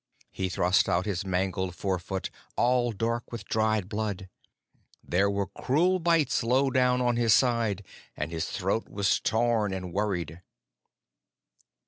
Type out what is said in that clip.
He thrust out his mangled fore foot, all dark with dried blood. There were cruel bites low down on his side, and his throat was torn and worried.